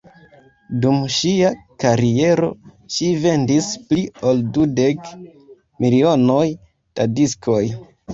Dum ŝia kariero ŝi vendis pli ol dudek milionoj da diskoj.